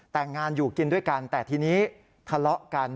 แต่งงานอยู่กินด้วยกันแต่ทีนี้ทะเลาะกัน